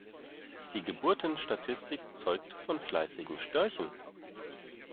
Die Geburtenstatistik zeugt von fleißigen Störchen.